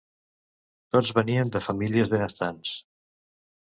Tots venien de famílies benestants.